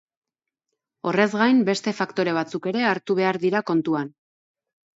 Horrez gain, beste faktore batzuk ere hartu behar dira kontuan.